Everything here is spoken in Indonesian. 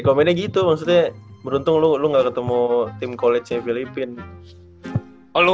komennya gitu maksudnya beruntung lu ga ketemu tim college nya filipina